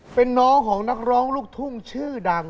เป็นน้องของนักร้องลูกทุ่งชื่อดัง